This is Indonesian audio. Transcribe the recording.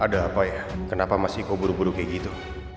ada apa ya kenapa mas iko buruk buruk kayak gitu